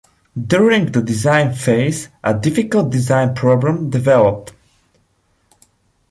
During the design phase, a difficult design problem developed.